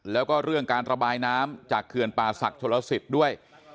แล้วก็เรื่องการระบายน้ำจากเขื่อนป่าศักดิ์ชนลสิทธิ์ด้วย